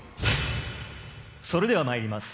それではまいります